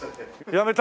やめた？